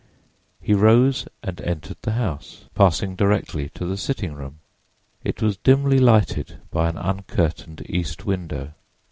He rose and entered the house, passing directly to the "sitting room." It was dimly lighted by an uncurtained east window.